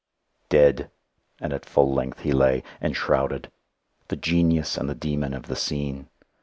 Dead and at full length he lay, enshrouded; the genius and the demon of the scene.